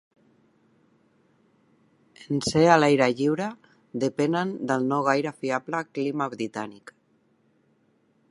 En ser a l'aire lliure, depenen del no gaire fiable clima britànic.